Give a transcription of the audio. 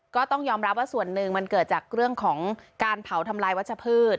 ก็ต้องยอมรับว่าส่วนหนึ่งมันเกิดจากเรื่องของการเผาทำลายวัชพืช